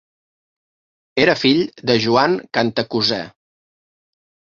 Era fill de Joan Cantacuzè.